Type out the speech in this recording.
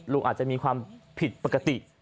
ลุงอาจจะมีความผิดปกติ